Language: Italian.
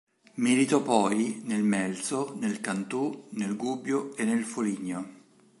Militò poi nel Melzo, nel Cantù, nel Gubbio e nel Foligno.